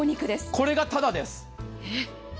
これがただです。